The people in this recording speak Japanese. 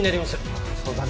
ああそうだね。